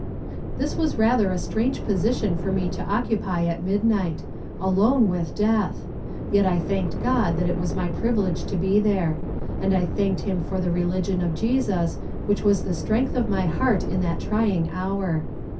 This was rather a strange position for me to occupy at midnight alone with death! Yet I thanked God that it was my privilege to be there; and I thanked Him for the religion of Jesus which was the strength of my heart in that trying hour.